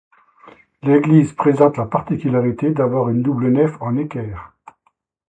L'église présente la particularité d'avoir une double nef en équerre.